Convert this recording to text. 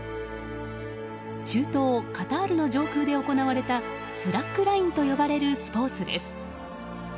中東カタールの上空で行われたスラックラインと呼ばれるスポーツです。